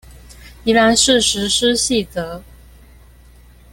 宜蘭市施行細則